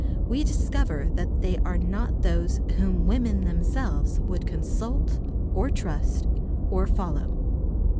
we discover that they are not those whom women themselves would consult or trust or follow.